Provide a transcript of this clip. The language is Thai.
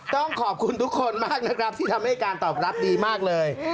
ต้องขอบคุณทุกคนมากนะครับที่ทำให้การตอบรับดีมากเลย